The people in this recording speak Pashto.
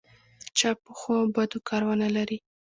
چا په ښو او بدو کار ونه لري.